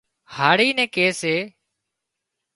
هاۯِي نين ڪي سي